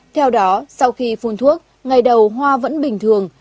theo đó sau khi phun thuốc ngày đầu hoa vẫn bình thường